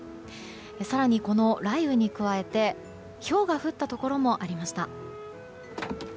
更に、この雷雨に加えてひょうが降ったところもありました。